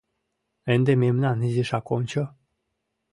Ынде мемнам изишак ончо!